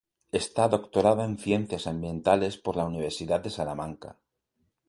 Está doctorada en Ciencias Ambientales por la Universidad de Salamanca.